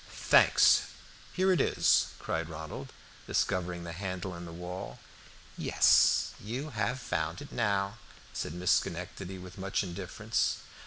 "Thanks; here it is," cried Ronald, discovering the handle in the wall. "Yes, you have found it now," said Miss Schenectady with much indifference.